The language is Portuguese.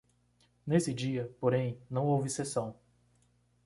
Nesse dia, porém, não houve sessão.